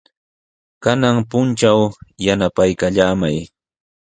Kanan puntraw yanapaykallamay.